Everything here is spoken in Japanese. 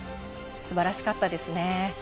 すばらしかったですね。